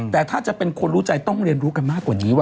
แต่ถ้าจะเป็นคนรู้ใจต้องเรียนรู้กันมากกว่านี้ว